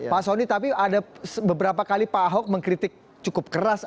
pak soni tapi ada beberapa kali pak ahok mengkritik cukup keras